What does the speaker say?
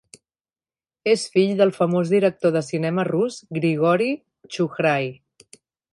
És fill del famós director de cinema rus Grigori Txukhrai.